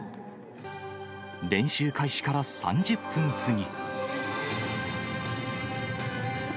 練習開始から３０分過ぎ。